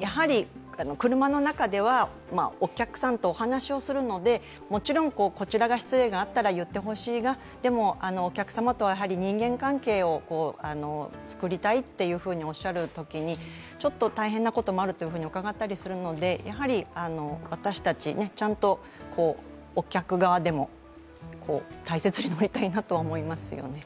やはり車の中ではお客さんとお話をするので、もちろんこちらが失礼があったら言ってほしいが、でも、お客様とは人間関係を作りたいとおっしゃるときに、ちょっと大変なこともあるというふうに伺ったりもするので、私たち、ちゃんとお客側でも大切に乗りたいなと思いますよね。